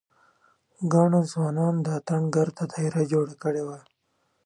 ګڼو ځوانانو د اتڼ ګرده داېره جوړه کړې وه.